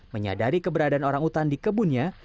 menyadari keberadaan orang utan di kebunnya